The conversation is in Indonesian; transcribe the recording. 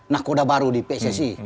nah koda baru di pssi